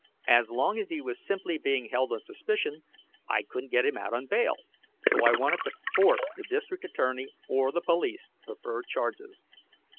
As long as he was simply being held on suspicion, I couldn't get him out on bail, so I wanted to force the district attorney or the police to prefer charges.